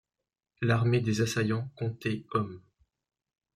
L'armée des assaillants comptait hommes.